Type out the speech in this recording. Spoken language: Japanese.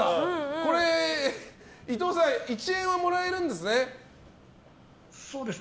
これ、伊藤さん１円はもらえるんですね。